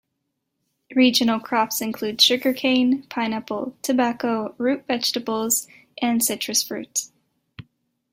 Regional crops include sugarcane, pineapple, tobacco, root vegetables, and citrus fruits.